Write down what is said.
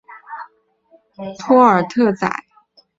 托尔特宰。